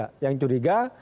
ya yang curiga